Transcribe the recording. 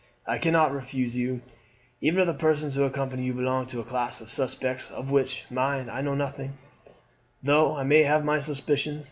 "I cannot refuse you, even if the persons who accompany you belong to the class of suspects, of which, mind, I know nothing, though I may have my suspicions.